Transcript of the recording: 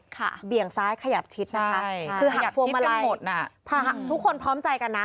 ค่ะใช่ค่ะขยับชิดกันหมดน่ะทุกคนพร้อมใจกันนะ